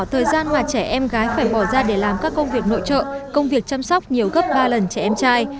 thời gian mà trẻ em gái phải bỏ ra để làm các công việc nội trợ công việc chăm sóc nhiều gấp ba lần trẻ em trai